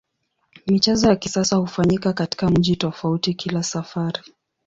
Michezo ya kisasa hufanyika katika mji tofauti kila safari.